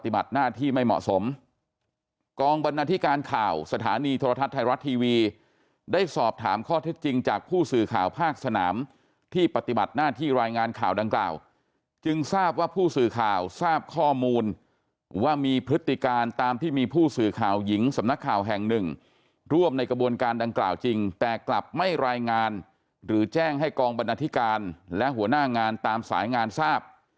ได้สอบถามข้อเท็จจริงจากผู้สื่อข่าวภาคสนามที่ปฏิบัติหน้าที่รายงานข่าวดังกล่าวจึงทราบว่าผู้สื่อข่าวทราบข้อมูลว่ามีพฤติการตามที่มีผู้สื่อข่าวหญิงสำนักข่าวแห่งหนึ่งร่วมในกระบวนการดังกล่าวจริงแต่กลับไม่รายงานหรือแจ้งให้กองบรรณาธิการและหัวหน้างานตามสายงานทราบ